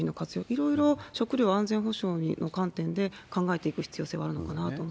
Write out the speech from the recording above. いろいろ食糧安全保障の観点で考えていく必要性はあるのかなと思